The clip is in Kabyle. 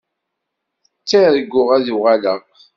Tterguɣ ad uɣaleɣ.